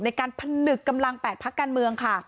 ในการผนึกกำลัง๘พักการเมืองค่ะ